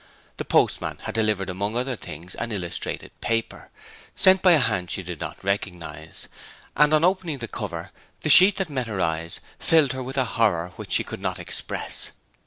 The postman had delivered among other things an illustrated newspaper, sent by a hand she did not recognize; and on opening the cover the sheet that met her eyes filled her with a horror which she could not express.